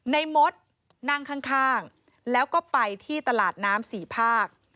มดนั่งข้างแล้วก็ไปที่ตลาดน้ำสี่ภาค